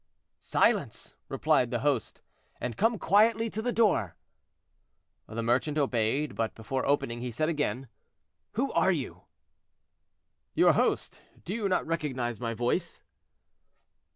"Silence!" replied the host, "and come quietly to the door." The merchant obeyed, but before opening, he said again—"Who are you?" "Your host; do you not recognize my voice?"